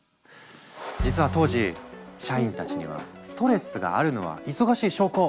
実は当時社員たちには「ストレスがあるのは忙しい証拠！